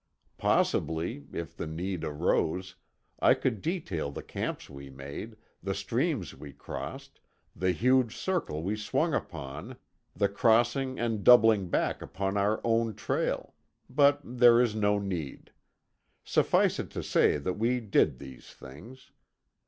Possibly, if the need arose, I could detail the camps we made, the streams we crossed, the huge circle we swung upon, the crossing and doubling back upon our own trail; but there is no need. Suffice it to say that we did these things.